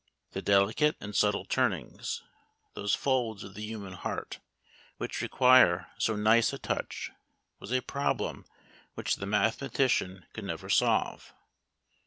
The delicate and subtle turnings, those folds of the human heart, which require so nice a touch, was a problem which the mathematician could never solve.